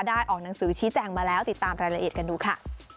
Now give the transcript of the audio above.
ออกหนังสือชี้แจงมาแล้วติดตามรายละเอียดกันดูค่ะ